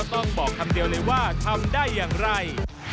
ต้องบอกคำเดียวเลยว่าทำได้อย่างไร